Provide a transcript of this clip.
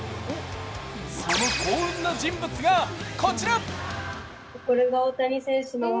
その幸運な人物がこちら。